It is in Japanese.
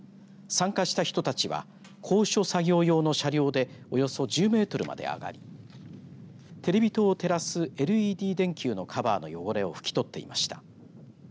参加した人たちは高所作業用の車両でおよそ１０メートルまで上がりテレビ塔を照らすＬＥＤ電球のカバーの汚れを拭き取っていました。